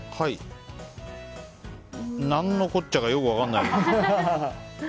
なんのこっちゃかよく分からない。